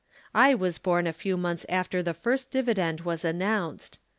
I was born a few months after the first dividend was announced.